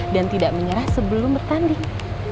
dan tidak menyerah sebelum bertanding